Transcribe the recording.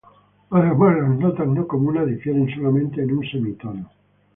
Además, las notas no comunes difieren solamente en un semitono.